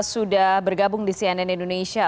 sudah bergabung di cnn indonesia